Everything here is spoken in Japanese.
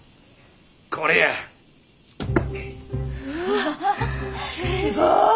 うわすごい。